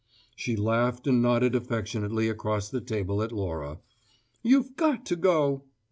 She laughed and nodded affectionately across the table at Laura. "You've got to go!"